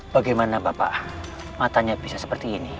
bagaimana bapak matanya bisa seperti ini